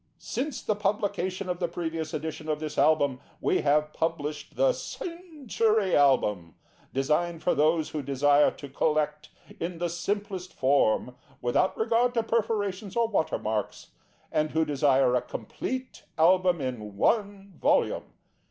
Since the publication of the previous edition of this Album, we have published the "Century" Album, designed for those who desire to collect in the simplest form, without regard to perforations or watermarks, and who desire a complete Album in one volume.